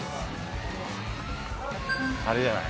あれじゃない？